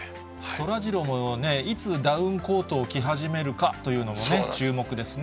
そらジローもね、いつ、ダウンコートを着始めるかというのもね、注目ですね。